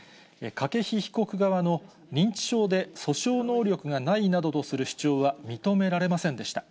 筧被告側の、認知症で訴訟能力がないなどとする主張は認められませんでした。